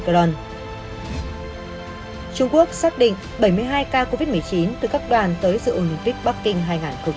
trung quốc xác định bảy mươi hai ca covid một mươi chín từ các đoàn tới dự ứng viết bắc kinh hai nghìn hai mươi hai